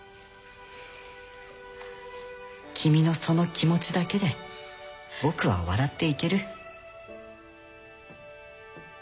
君のその気持ちだけで僕は笑っていける。